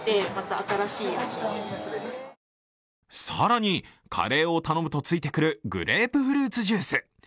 更にカレーを頼むとついてくるグレープフルーツジュース。